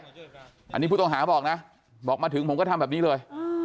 อันนี้ผู้ต้องหาบอกนะบอกมาถึงผมก็ทำแบบนี้เลย